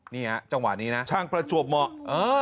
นี่ฮะจังหวะนี้นะช่างประจวบเหมาะ